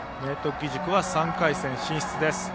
義塾は３回戦進出です。